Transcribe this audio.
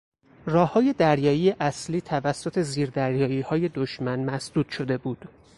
راههای دریایی اصلی توسط زیر دریاییهای دشمن مسدود شده بود.